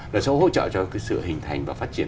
là sẽ hỗ trợ cho cái sự hình thành và phát triển